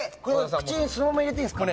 口にそのまま入れていいんですか？